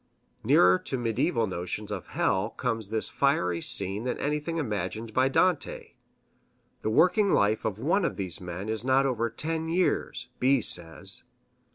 Nearer to mediæval notions of hell comes this fiery scene than anything imagined by Dante. The working life of one of these men is not over ten years, B says.